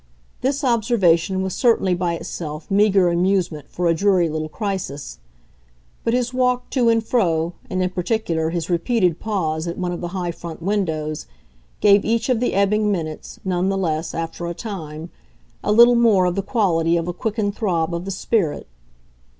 This observation was certainly by itself meagre amusement for a dreary little crisis; but his walk to and fro, and in particular his repeated pause at one of the high front windows, gave each of the ebbing minutes, none the less, after a time, a little more of the quality of a quickened throb of the spirit.